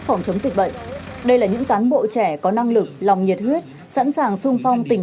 phòng chống dịch bệnh đây là những cán bộ trẻ có năng lực lòng nhiệt huyết sẵn sàng sung phong tình